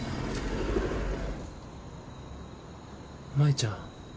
舞ちゃん。